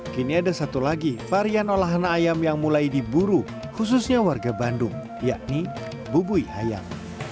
kini ada satu lagi varian olahan ayam yang mulai diburu khususnya warga bandung yakni bubui ayam